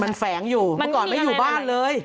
มันแฝงอยู่เมื่อก่อนไม่อยู่บ้านเลย